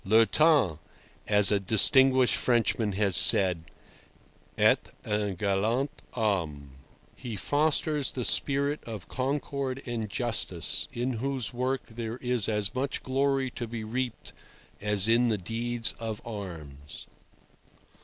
"Le temps," as a distinguished Frenchman has said, "est un galant homme." He fosters the spirit of concord and justice, in whose work there is as much glory to be reaped as in the deeds of arms.